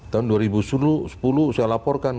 tahun dua ribu sepuluh saya laporkan